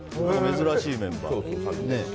珍しいメンバーでね。